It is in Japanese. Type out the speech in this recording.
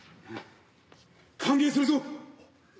歓迎するぞ。